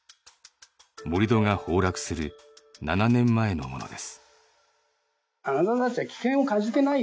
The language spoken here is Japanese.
盛り土が崩落する７年前のものです。